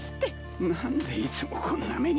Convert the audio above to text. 何でいつもこんな目に。